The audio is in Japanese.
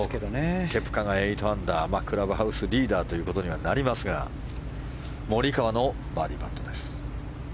ケプカが８アンダークラブハウスリーダーとはなりますがモリカワのバーディーパットです。